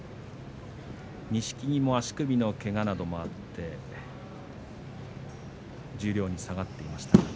錦木も足首のけがなどもあって十両に下がっていました。